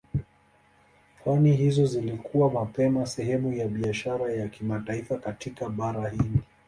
Pwani hizo zilikuwa mapema sehemu ya biashara ya kimataifa katika Bahari Hindi.